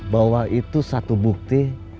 bahwa itu satu bukti